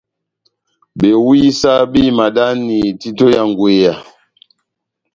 Bewisa béhimadani títo ya ngweya.